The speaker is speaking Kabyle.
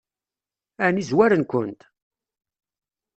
Ɛni zwaren-kent?